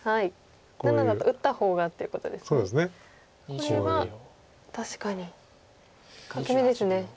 これは確かに欠け眼ですね。